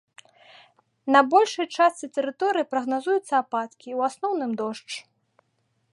На большай частцы тэрыторыі прагназуюцца ападкі, у асноўным дождж.